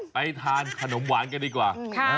ไปทานขนมหวานกันดีกว่า